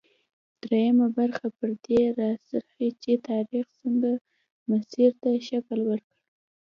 دویمه برخه پر دې راڅرخي چې تاریخ څنګه مسیر ته شکل ورکړ.